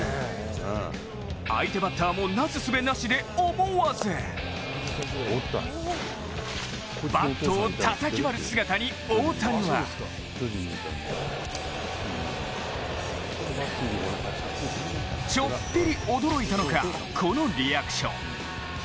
相手バッターもなすすべなしで思わずバットをたたき割る姿に大谷はちょっぴり驚いたのか、このリアクション。